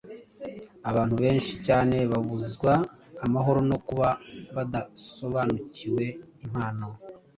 Abantu benshi cyane babuzwa amahoro no kuba badasobanukiwe impano